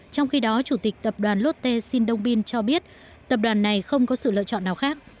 trong khi đó chủ tịch tập đoàn lotte xin dongbin cho biết tập đoàn này không có sự lựa chọn nào khác